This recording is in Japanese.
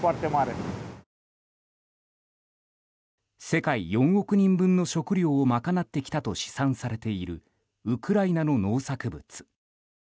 世界４億人分の食料を賄ってきたと試算されているウクライナの農作物。